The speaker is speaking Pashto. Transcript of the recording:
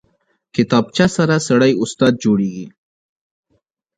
کتابچه سره سړی استاد جوړېږي